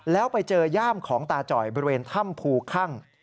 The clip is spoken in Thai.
แล้วไปเจอย่ามของตาจ่อยบริเวณถ้ำภูคั่ง